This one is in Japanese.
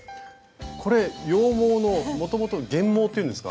これ羊毛のもともと原毛っていうんですか？